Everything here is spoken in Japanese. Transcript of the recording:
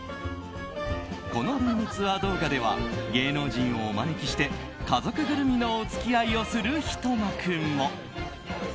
このルームツアー動画では芸能人をお招きして家族ぐるみのお付き合いをするひと幕も。